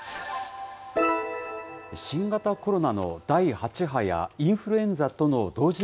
新型コロナの第８波やインフルエンザとの同時